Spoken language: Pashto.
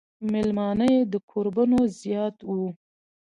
مېلمانۀ د کوربنو زيات وو ـ